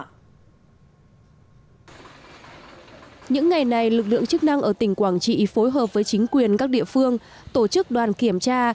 những ngày này lực lượng chức năng ở tỉnh quảng trị phối hợp với chính quyền các địa phương tổ chức đoàn kiểm tra